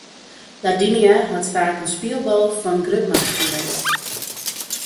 Ladinia hat faak in spylbal fan grutmachten west.